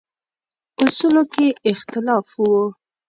اصولو کې اختلاف و.